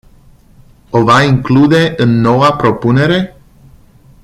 O va include în noua propunere?